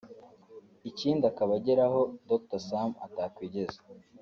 ikindi akaba agera aho Dr Sam atakwigeza